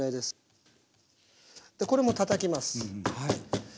これもたたきます。